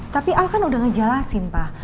tapi al kan udah ngejelasin pak